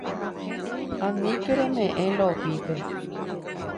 Aníke reme'ẽ Lovípe.